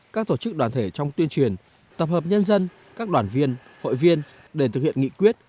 các tổ chức đoàn thể trong tuyên truyền tập hợp nhân dân các đoàn viên hội viên để thực hiện nghị quyết